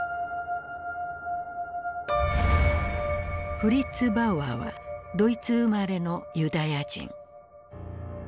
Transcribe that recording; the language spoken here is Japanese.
フリッツ・バウアーはドイツ生まれのユダヤ人。